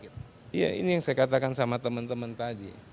iya ini yang saya katakan sama teman teman tadi